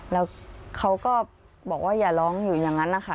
แล้วเขาก็บอกว่าอย่าร้องอยู่อย่างนั้นนะคะ